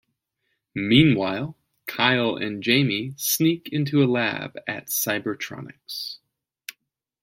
Meanwhile, Kyle and Jamie sneak into a lab at Cybertronix.